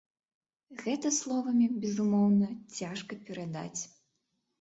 Гэта словамі, безумоўна, цяжка перадаць.